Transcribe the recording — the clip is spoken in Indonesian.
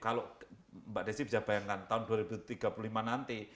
kalau mbak desi bisa bayangkan tahun dua ribu tiga puluh lima nanti